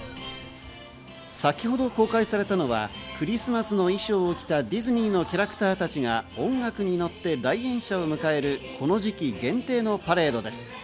先ほど公開されたのがクリスマスの衣装を着たディズニーのキャラクターたちが音楽にのって来園者を迎える、この時期限定のパレードです。